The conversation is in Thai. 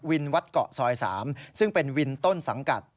วัดเกาะซอย๓ซึ่งเป็นวินต้นสังกัด